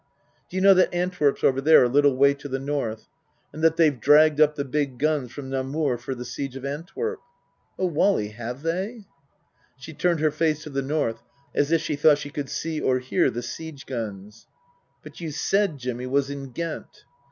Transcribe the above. " Do you know that Antwerp's over there, a little way to the north ? And that they've dragged up the big guns from Namur for the siege of Antwerp ?"" Oh, Wally have they ?" She turned her face to the north as if she thought she could see or hear the siege guns. " But you said Jimmy was in Ghent."